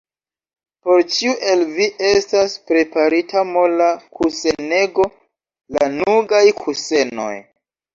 Por ĉiu el vi estas preparita mola kusenego, lanugaj kusenoj!